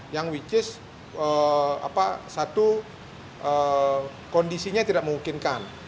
yang which is satu kondisinya tidak memungkinkan